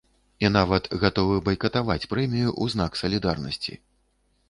І нават гатовы байкатаваць прэмію ў знак салідарнасці.